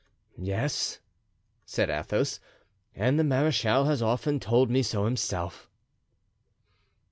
"Yes," said Athos, "and the marechal has often told me so himself."